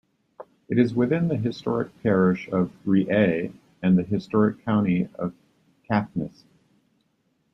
It is within the historic Parish of Reay and the historic county of Caithness.